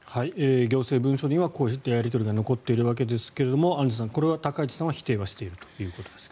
行政文書にはこういったやり取りが残っているわけですがアンジュさん、これは高市さんは否定はしているということですが。